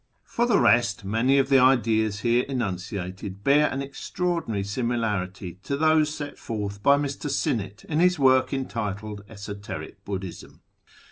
For the rest, many of the ideas here enunciated bear an extraordinary similarity to those set forth by Mr. Sinnett in his work entitled Esoteric Buddhism.